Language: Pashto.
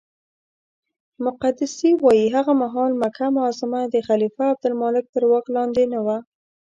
مقدسي وایي هغه مهال مکه معظمه د خلیفه عبدالملک تر واک لاندې نه وه.